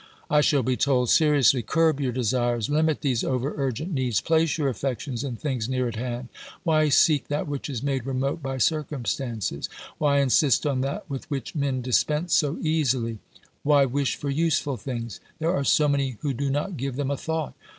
I shall be told seriously : Curb your desires, limit these over urgent needs, place your affections in things near at hand. Why seek that which is made remote by circum stances ? Why insist on that with which men dispense so easily ? Why wish for useful things ? There are so many who do not give them a thought.